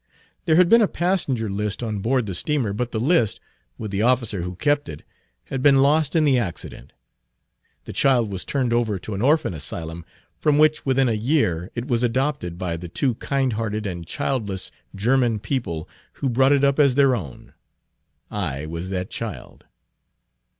There had been a passenger list on board the steamer, but the list, with the officer who kept it, had been lost in the accident. The child was turned over to an orphan asylum, from which within a year it was adopted by the two kind hearted and childless German people who brought it up as their own. I was that child."